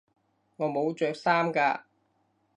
我冇着衫㗎